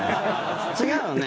違うよね？